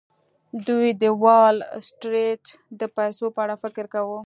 دوی د وال سټریټ د پیسو په اړه فکر کاوه